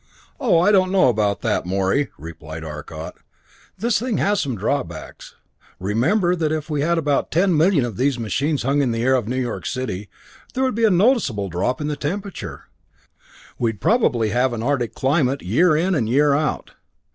"Oh, I don't know about that, Morey," replied Arcot. "This thing has some drawbacks. Remember that if we had about ten million of these machines hung in the air of New York City, there would be a noticeable drop in the temperature. We'd probably have an Arctic climate year in and year out.